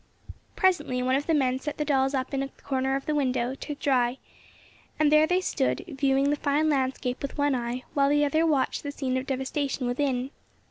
Presently one of the men set the dolls up in the corner of a window to dry, and there they stood viewing the fine landscape with one eye while the other watched the scene of devastation within.